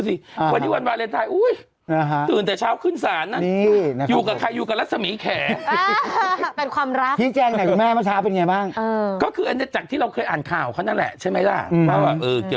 ทีมงงทีมงามน้องน้ำไปกันหมดหน้า๑๔เนี่ย